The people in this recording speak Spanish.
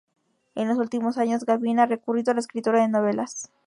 En los últimos años, Gavin ha recurrido a la escritura de novelas.